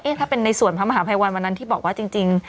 เอ๊ะถ้าเป็นในส่วนพมหาวันแบบนั้นที่บอกว่าจริง